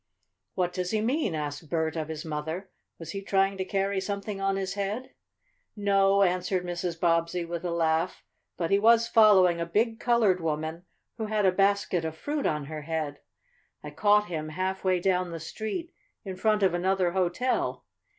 "What does he mean?" asked Bert of his mother. "Was he trying to carry something on his head?" "No," answered Mrs. Bobbsey with a laugh, "but he was following a big colored woman who had a basket of fruit on her head. I caught him halfway down the street in front of another hotel.